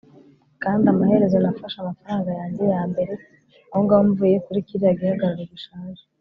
Kandi amaherezo nafashe amafaranga yanjye yambere aho ngaho mvuye kuri kiriya gihagararo gishaje